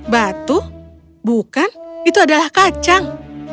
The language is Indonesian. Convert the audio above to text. batu bukan itu adalah kacang